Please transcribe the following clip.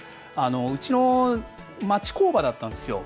うち、町工場だったんですよ。